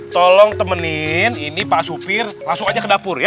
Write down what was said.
tolong temenin ini pak supir langsung aja ke dapur ya